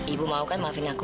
ibu mau kan maafin aku